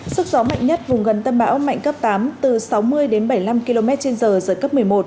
sức gió mạnh nhất vùng gần tâm bão mạnh cấp tám từ sáu mươi đến bảy mươi năm km trên giờ giật cấp một mươi một